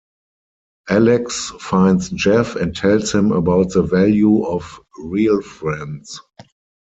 Alex finds Jeff and tells him about the value of real friends.